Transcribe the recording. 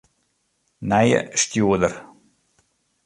Nije stjoerder.